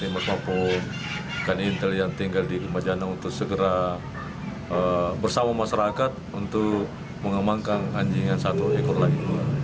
memangkan anjing yang satu ekor lagi